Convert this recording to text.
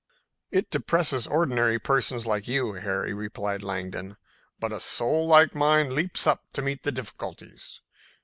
"It depresses ordinary persons like you, Harry," replied Langdon, "but a soul like mine leaps up to meet the difficulties.